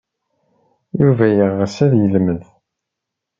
Yuba yeɣs ad yelmed.